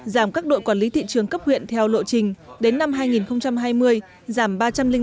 giảm các đội quản lý thị trường cấp huyện theo lộ trình đến năm hai nghìn hai mươi giảm ba trăm linh năm